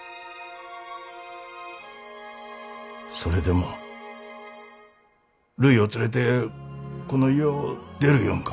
それでもるいを連れてこの家を出る言んか。